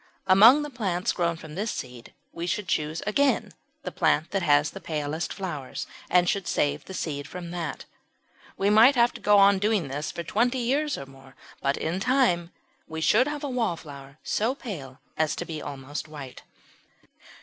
Among the plants grown from this seed we should choose again the plant that had the palest flowers, and should save the seed from that. We might have to go on doing this for twenty years or more, but in time we should have a Wallflower so pale as to be almost white.